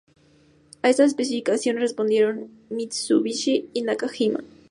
A estas especificaciones, respondieron Mitsubishi y Nakajima.